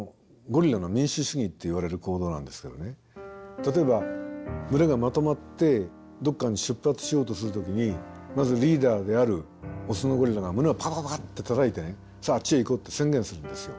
例えば群れがまとまってどっかに出発しようとする時にまずリーダーであるオスのゴリラが胸をパカパカパカってたたいてね「さああっちへ行こう」って宣言するんですよ。